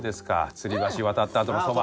吊り橋渡ったあとのそば。